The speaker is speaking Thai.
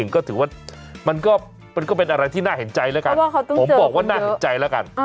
ก็ถือว่ามันก็เป็นอะไรที่น่าเห็นใจแล้วกันผมบอกว่าน่าเห็นใจแล้วกัน